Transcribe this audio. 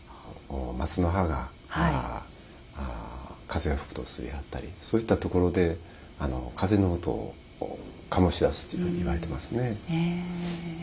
松の葉が風が吹くとする音やったりそういったところで風の音を醸し出すっていうふうにいわれてますね。